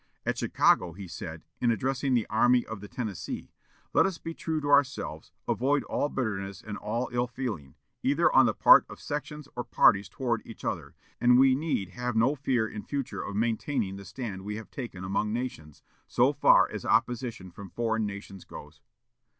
At Chicago, he said, in addressing the Army of the Tennessee, "Let us be true to ourselves, avoid all bitterness and ill feeling, either on the part of sections or parties toward each other, and we need have no fear in future of maintaining the stand we have taken among nations, so far as opposition from foreign nations goes."